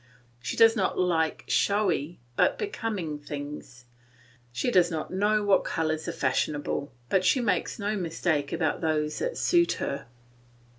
She does not like showy but becoming things. She does not know what colours are fashionable, but she makes no mistake about those that suit her.